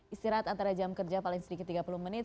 istirahat antara jam kerja paling sedikit tiga puluh menit